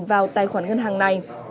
vào tài khoản ngân hàng này